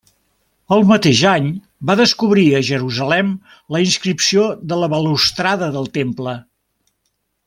El mateix any va descobrir a Jerusalem la inscripció de la balustrada del Temple.